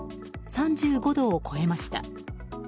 ３５度を超えました。